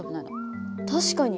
確かに。